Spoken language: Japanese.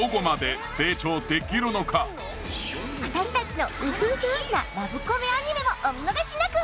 私たちのウフフなラブコメアニメもお見逃しなく！